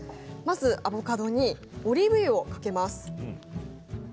アボカドにオリーブ油をかけます。